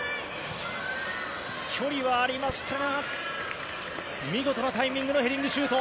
距離はありましたが見事なタイミングのヘディングシュート。